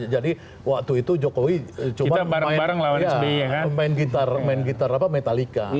jadi waktu itu jokowi cuma main gitar metallica